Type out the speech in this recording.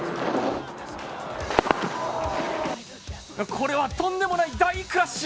これはとんでもない大クラッシュ。